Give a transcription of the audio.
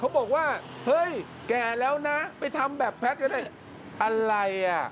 เขาบอกว่าเฮ้ยแก่แล้วนะไปทำแบบแพทเลย